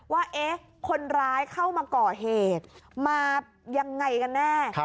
ว่าคนร้ายเข้ามาก่อเหตุมายังไงกันแน่